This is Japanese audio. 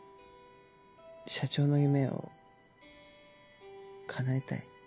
社長の夢を叶えたい。